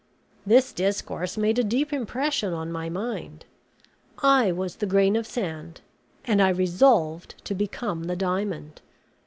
This discourse made a deep impression on my mind. I was the grain of sand, and I resolved to become the diamond.